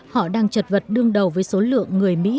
họ đang trật vật đương đầu với số lượng người mỹ